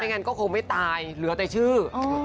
งั้นก็คงไม่ตายเหลือแต่ชื่อ